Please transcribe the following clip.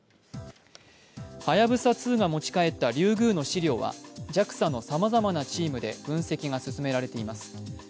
「はやぶさ２」が持ち帰ったリュウグウの試料はＪＡＸＡのさまざまなチームで分析が進められています。